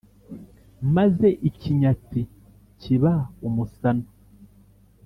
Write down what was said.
maze ikinyatsi kiba umusana.